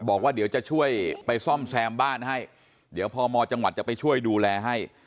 บอกว่าเดี๋ยวจะช่วยไปซ่อมแซมบ้านให้เดี๋ยวพมจังหวัดจะไปช่วยดูแลให้